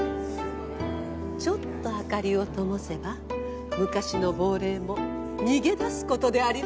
ちょっと明かりを灯せば昔の亡霊も逃げ出すことでありましょう。